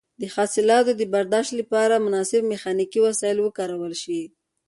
د حاصلاتو د برداشت لپاره مناسب میخانیکي وسایل وکارول شي.